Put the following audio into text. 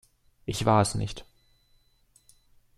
Ich war es nicht.